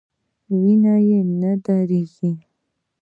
وینه یې نه دریږي.